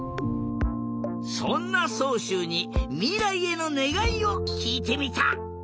そんなそうしゅうにみらいへのねがいをきいてみた。